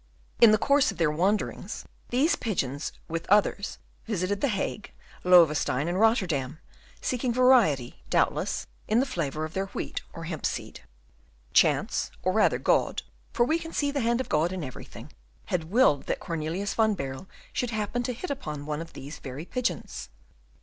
In the course of their wanderings, these pigeons with others visited the Hague, Loewestein, and Rotterdam, seeking variety, doubtless, in the flavour of their wheat or hempseed. Chance, or rather God, for we can see the hand of God in everything, had willed that Cornelius van Baerle should happen to hit upon one of these very pigeons.